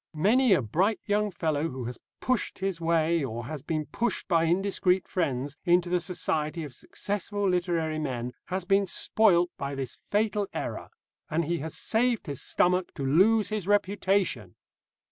Many a bright young fellow, who has pushed his way, or has been pushed by indiscreet friends, into the society of successful literary men, has been spoilt by this fatal error, and he has saved his stomach to lose his reputation.